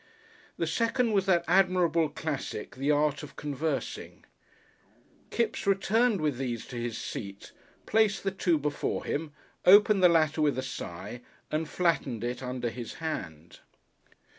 The second was that admirable classic, "The Art of Conversing." Kipps returned with these to his seat, placed the two before him, opened the latter with a sigh and flattened it under his hand.